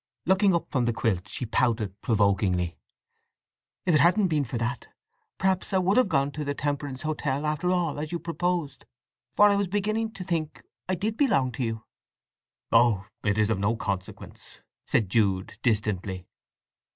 Looking up from the quilt she pouted provokingly: "If it hadn't been for that, perhaps I would have gone on to the Temperance Hotel, after all, as you proposed; for I was beginning to think I did belong to you!" "Oh, it is of no consequence!" said Jude distantly.